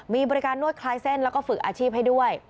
มีบริการนวดคลายเส้นแล้วก็ฝึกอาชีพให้ด้วย